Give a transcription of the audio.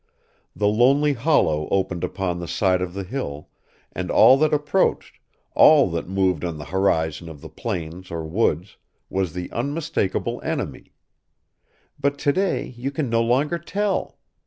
The lonely hollow opened upon the side of the hill, and all that approached, all that moved on the horizon of the plains or woods, was the unmistakable enemy.... But to day you can no longer tell....